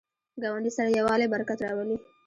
ګاونډي سره یووالی، برکت راولي